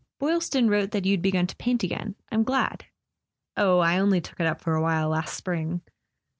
"Boylston wrote that you'd begun to paint again. I'm glad." "Oh, I only took it up for a while last spring."